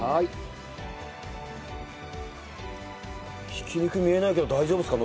挽き肉見えないけど大丈夫ですか？